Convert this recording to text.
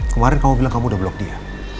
kemarin kamu bilang kamu udah blok dia